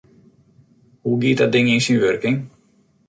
Hoe giet dat ding yn syn wurking?